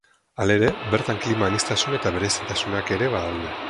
Halere, bertan klima aniztasun eta berezitasunak ere badaude.